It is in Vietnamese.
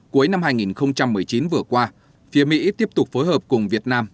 cuối năm hai nghìn một mươi chín vừa qua phía mỹ tiếp tục phối hợp cùng việt nam